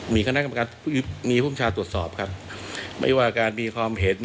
มีคณะกรรมการมีภูมิชาตรวจสอบครับไม่ว่าการมีความเห็น